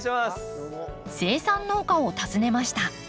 生産農家を訪ねました。